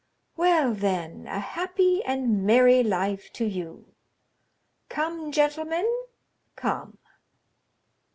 "Well, then, a happy and merry life to you. Come, gentlemen, come."